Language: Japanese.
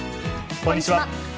こんにちは。